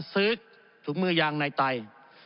ซื้อถุงมือยางในไต